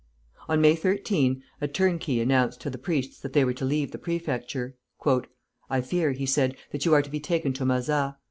On May 13, a turnkey announced to the priests that they were to leave the prefecture. "I fear," he said, "that you are to be taken to Mazas.